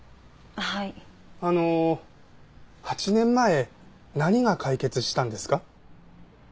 あの８年前何が解決したんですか？